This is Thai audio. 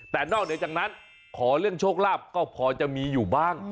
แต่นอกเหนือจากนั้นขอเรื่องโชคลาภก็พอจะมีอยู่บ้าง